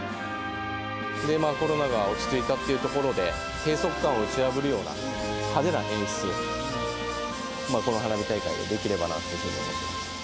コロナが落ち着いたというところで、閉塞感を打ち破るような、派手な演出、この花火大会でできればなというふうに。